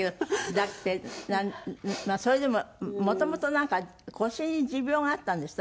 だってまあそれでももともとなんか腰に持病があったんですって？